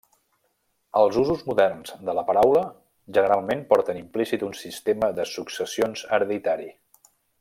Els usos moderns de la paraula generalment porten implícit un sistema de successions hereditari.